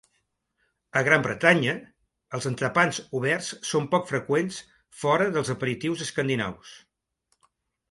A Gran Bretanya, els entrepans oberts són poc freqüents fora dels aperitius escandinaus.